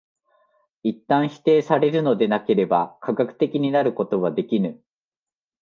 一旦否定されるのでなければ科学的になることはできぬ。